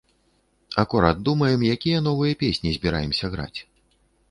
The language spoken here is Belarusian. Акурат думаем, якія новыя песні збіраемся граць.